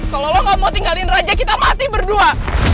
kalau lo gak mau tinggalin raja kita mati berdua